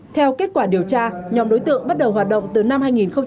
theo kết quả điều tra nhóm đối tượng bắt đầu hoạt động từ năm hai nghìn một mươi tám